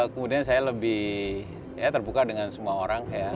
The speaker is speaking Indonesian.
kemudian saya lebih terbuka dengan semua orang